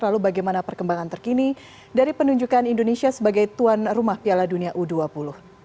lalu bagaimana perkembangan terkini dari penunjukan indonesia sebagai tuan rumah piala dunia u dua puluh